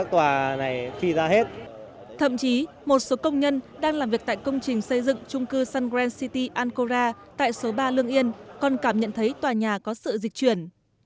thậm chí một số công nhân đang làm việc tại công trình xây dựng trung cư sun grand city an cora tại số ba lương yên còn cảm nhận thấy tòa nhà có sự dịch chuyển